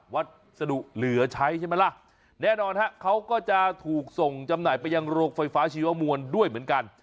วัสดุเหลือใช้ใช่ไหมล่ะแน่นอนฮะเขาก็จะถูกส่งจำหน่ายไปยังโรงไฟฟ้าชีวมวลด้วยเหมือนกัน